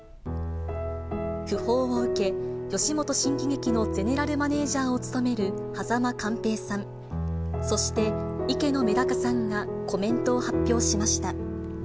訃報を受け、吉本新喜劇のゼネラルマネージャーを務める間寛平さん、そして、池乃めだかさんがコメントを発表しました。